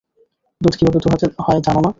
দুধ কীভাবে দোহাতে হয় জানো তো?